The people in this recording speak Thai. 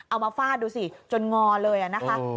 มาฟาดดูสิจนงอเลยนะคะ